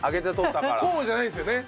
こうじゃないですよね？